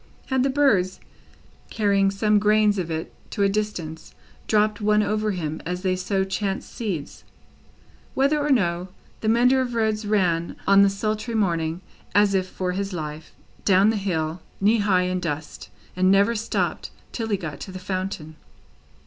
Had the birds, carrying some grains of it to a distance, dropped one over him as they sow chance seeds? Whether or no, the mender of roads ran, on the sultry morning, as if for his life, down the hill, knee high in dust, and never stopped till he got to the fountain.